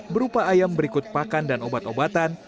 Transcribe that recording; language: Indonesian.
berupa ayam berikut pakan dan obat obatan